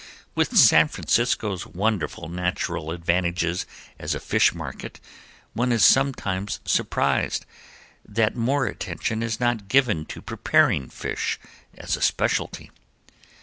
With San Francisco's wonderful natural advantages as a fish market one is sometimes surprised that more attention is not given to preparing fish as a specialty.